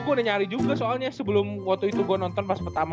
gue udah nyari juga soalnya sebelum waktu itu gue nonton pas pertama